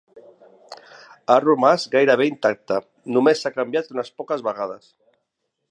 Ha romàs gairebé intacta, només s'ha canviat unes poques vegades.